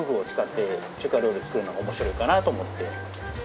作るのが面白いかなと思って。